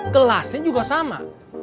gelasnya juga sama